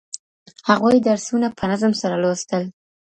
هغوی درسونه په نظم سره لوستل.